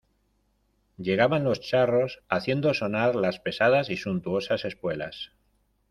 llegaban los charros haciendo sonar las pesadas y suntuosas espuelas